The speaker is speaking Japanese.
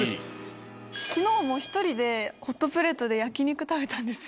昨日も１人でホットプレートで焼き肉食べたんですよ。